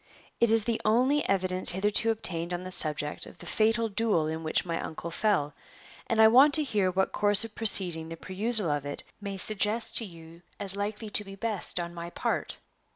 It is the only evidence hitherto obtained on the subject of the fatal duel in which my uncle fell, and I want to hear what course of proceeding the perusal of it may suggest to you as likely to be best on my part."